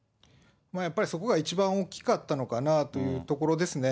やっぱりそこが一番大きかったのかなというところですね。